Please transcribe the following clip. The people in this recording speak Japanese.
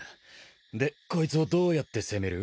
でこいつをどうやって攻める？